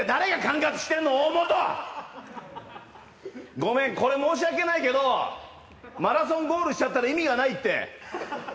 ごめん、これ申し訳ないけどマラソンゴールしちゃったら意味がないって！